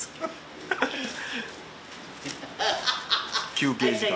休憩時間。